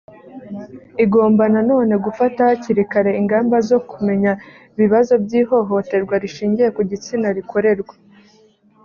igomba na none gufata hakiri kare ingamba zo kumenya ibibazo by ihohoterwa rishingiye ku gitsina rikorerwa